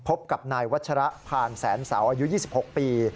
พบกับนายวัชระพานแสนเสาอายุ๒๖ปี